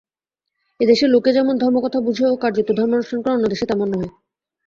এদেশে লোকে যেমন ধর্মকথা বুঝে ও কার্যত ধর্মানুষ্ঠান করে, অন্যদেশে তেমন নহে।